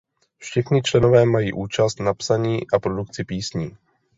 Všichni členové mají účast na psaní a produkci písní.